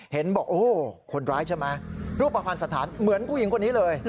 เห็นบอกโอ้คนร้ายใช่ไหมรูปภัณฑ์สถานเหมือนผู้หญิงคนนี้เลย